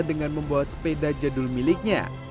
dengan membawa sepeda jadul miliknya